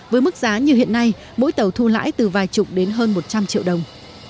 với mức giá như hiện nay mỗi tàu thu lãi từ vài chục đến hơn một trăm linh triệu đồng